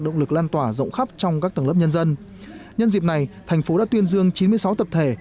động lực lan tỏa rộng khắp trong các tầng lớp nhân dân nhân dịp này thành phố đã tuyên dương chín mươi sáu tập thể